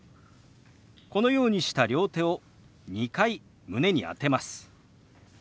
このようにした両手を２回胸に当てます。